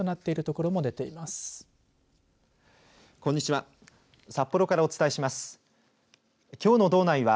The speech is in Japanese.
こんにちは。